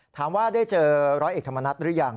ถามว่าได้เจอร้อยเอกธรรมนัฏหรือยัง